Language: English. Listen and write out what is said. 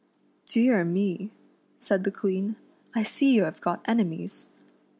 " Dear me," said the Queen, " I see you have got enemies.